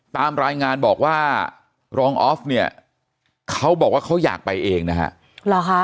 ตามรายงานบอกว่ารองออฟเนี่ยเขาบอกว่าเขาอยากไปเองนะฮะหรอคะ